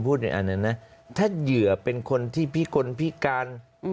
ในอันนั้นนะถ้าเหยื่อเป็นคนที่พิกลพิการ